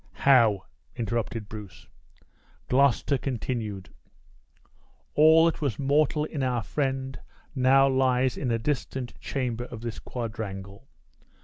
"How?" interrupted Bruce. Gloucester continued: "All that was mortal in our friend now lies in a distant chamber of this quadrangle.